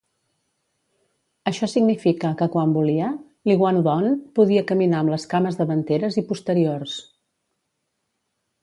Això significa que quan volia, l'iguanodont podia caminar amb les cames davanteres i posteriors.